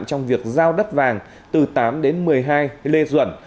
trong việc giao đất vàng từ tám đến một mươi hai lê duẩn